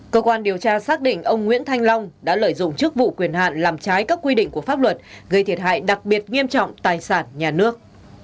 cơ quan điều tra xác định ông nguyễn thanh long đã lợi dụng chức vụ quyền hạn làm trái các quy định của pháp luật gây thiệt hại đặc biệt nghiêm trọng tài sản nhà nước